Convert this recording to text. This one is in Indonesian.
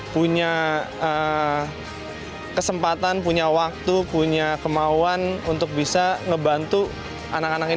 punya kesempatan punya waktu punya kemauan untuk bisa ngebantu anak anaknya